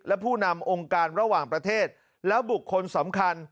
และผู้นำองค์การระหว่างประเทศและบุคคลสำคัญ